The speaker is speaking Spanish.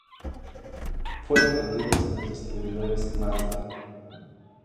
Fueron vendidos en los distribuidores Mazda.